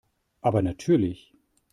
Aber natürlich.